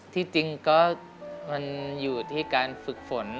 ที่จริงก็มันอยู่ที่การฝึกฝน